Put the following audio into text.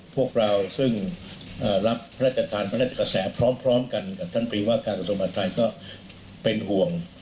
พวกเราซึ่งรับพระราชธรรมราชกระแสพร้อมกันกับท่านพรีวะกาสมภัทรไทยก็เป็นห่วง